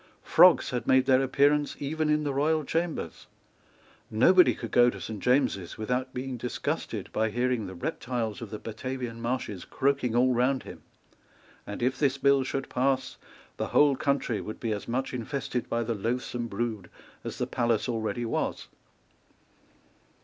Frogs had made their appearance even in the royal chambers. Nobody could go to Saint James's without being disgusted by hearing the reptiles of the Batavian marshes croaking all round him; and if this bill should pass, the whole country would be as much infested by the loathsome brood as the palace already was.